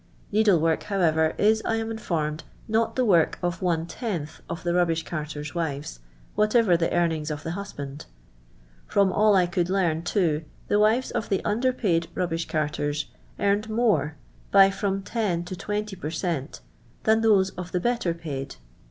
Needle work, however, is, I am informed, not the work of one tenth of the rubbish carters' wives, whatever the earnings of the husband. From all I could learn, too, the wives of the under paid rubbish carters earned more, by from 10 to 20 per cent, than those of the better paid.